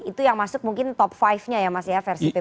itu yang masuk mungkin top lima nya ya mas ya versi pp